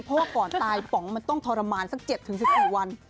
เพราะว่าก่อนตายป๋องมันต้องธรรมรรณสักเจ็บถึงสิบสิบประกอบวัน